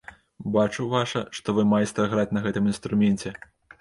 Бачу, ваша, што вы майстра граць на гэтым інструменце.